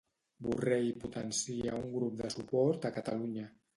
Borrell potencia a un grup de suport a Catalunya